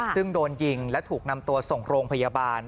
ซึ่งโดนยิงและถูกนำตัวส่งโรงพยาบาล